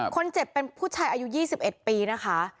คนเจ็บเป็นผู้ชายอายุ๒๑ปีนะคะ